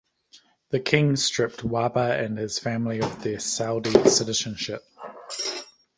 The King stripped Wahba and his family of their Saudi citizenship.